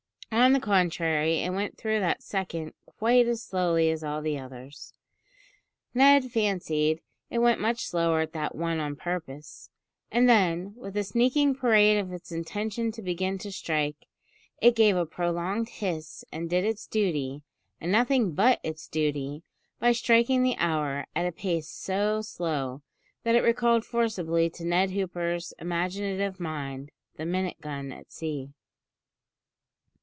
On the contrary, it went through that second quite as slowly as all the others. Ned fancied it went much slower at that one on purpose; and then, with a sneaking parade of its intention to begin to strike, it gave a prolonged hiss, and did its duty, and nothing but its duty; by striking the hour at a pace so slow, that it recalled forcibly to Ned Hooper's imaginative mind, "the minute gun at sea."